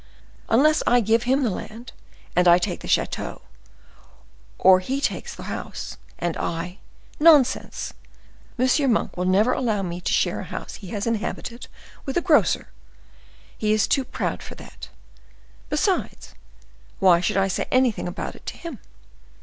Unless I give him the land, and I take the chateau, or the he takes the house and I—nonsense! M. Monk will never allow me to share a house he has inhabited, with a grocer. He is too proud for that. Besides, why should I say anything about it to him?